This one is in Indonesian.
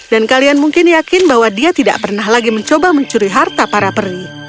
dan kalian mungkin yakin bahwa dia tidak pernah lagi mencoba mencuri harta para perni